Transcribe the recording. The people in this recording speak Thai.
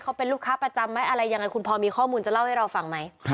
เขาเป็นลูกค้าประจำไหมอะไรยังไงคุณพอมีข้อมูลจะเล่าให้เราฟังไหม